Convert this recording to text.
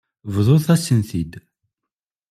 Bḍut-asen-t-id.